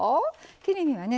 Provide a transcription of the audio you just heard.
切り身はね